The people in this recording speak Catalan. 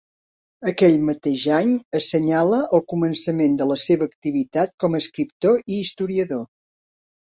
Aquell mateix any assenyala el començament de la seva activitat com a escriptor i historiador.